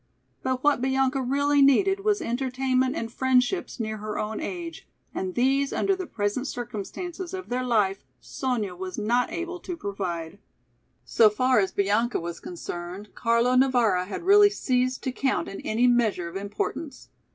But what Bianca really needed was entertainment and friendships near her own age and these under the present circumstances of their life, Sonya was not able to provide. So far as Bianca was concerned, Carlo Navara had really ceased to count in any measure of importance.